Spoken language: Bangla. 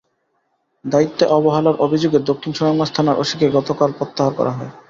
দায়িত্বে অবহেলার অভিযোগে দক্ষিণ সুনামগঞ্জ থানার ওসিকে গতকাল প্রত্যাহার করা হয়।